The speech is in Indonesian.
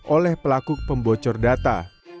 oleh pelaku pembocor data